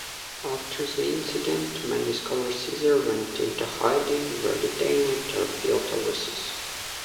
After the incident, many scholars either went into hiding, were detained, or fled overseas.